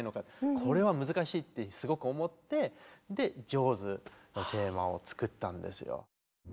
これは難しいってすごく思って「ジョーズ」のテーマを作ったんですよ。